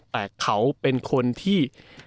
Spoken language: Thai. แต่เขาเป็นคนที่